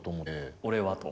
俺はと。